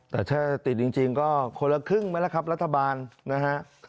แต่ถ้าติดจริงก็คนละครึ่งไหมล่ะครับรัฐบาลนะฮะ